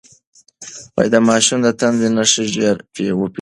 د ماشوم د تنده نښې ژر وپېژنئ.